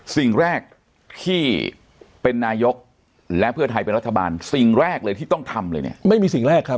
สิ่งแรกที่เป็นนายกและเพื่อไทยเป็นรัฐบาลสิ่งแรกเลยที่ต้องทำเลยเนี่ย